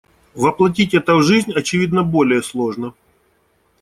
Воплотить это в жизнь, очевидно, более сложно.